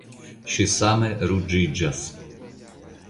Ŝi same ruĝiĝas.